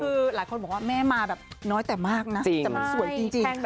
คือหลายคนบอกว่าแม่มาแบบน้อยแต่มากนะแต่มันสวยจริง